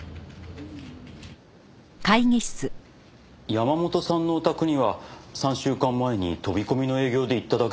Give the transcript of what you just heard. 山本さんのお宅には３週間前に飛び込みの営業で行っただけです。